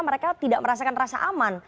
mereka tidak merasakan rasa aman